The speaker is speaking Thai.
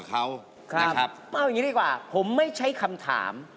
เอาอย่างนี้ดีกว่าผมไม่ใช้คำถาม